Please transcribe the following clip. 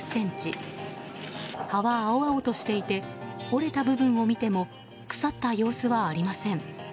葉は青々としていて折れた部分を見ても腐った様子はありません。